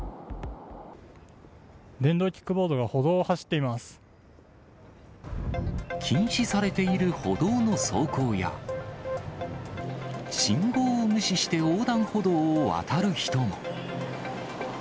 電動キックボードが歩道を走禁止されている歩道の走行や、信号を無視して横断歩道を渡る人も。